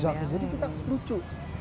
jadi kita lucu